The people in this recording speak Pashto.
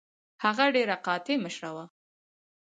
هغه ډیره قاطع مشره وه.